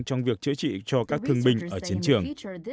trong việc chữa trị cho các thương binh ở chiến trường